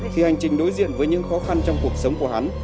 khi hành trình đối diện với những khó khăn trong cuộc sống của hắn